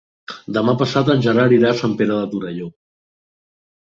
Demà passat en Gerard irà a Sant Pere de Torelló.